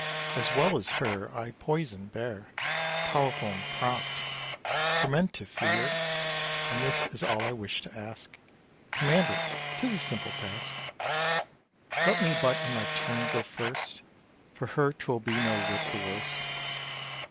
As well as her I poison bear, Powerful and prompt, for men to fear. And this is all I wish to ask; Command it 'tis a simple task: Let me but in my turn go first; For her 'twill be no whit the worst.